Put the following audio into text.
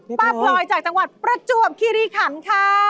พลอยจากจังหวัดประจวบคิริขันค่ะ